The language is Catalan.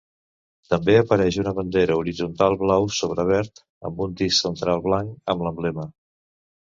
També apareix una bandera horitzontal blau sobre verd amb un disc central blanc amb l'emblema.